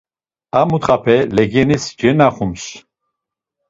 A mutxape legenis cenaxums.